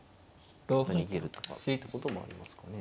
逃げるとかってこともありますかね。